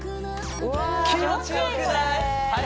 気持ちよくない？